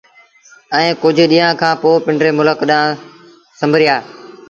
ائيٚݩ ڪجھ ڏيݩهآݩ کآݩ پو پنڊري ملڪ ڏآݩهݩ سنبريآ